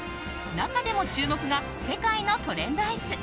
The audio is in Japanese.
中でも注目が世界のトレンドアイス。